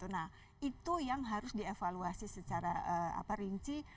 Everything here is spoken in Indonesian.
nah itu yang harus dievaluasi secara rinci